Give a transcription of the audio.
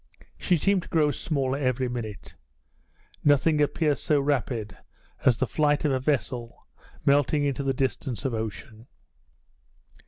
She seemed to grow smaller every minute. Nothing appears so rapid as the flight of a vessel melting into the distance of ocean.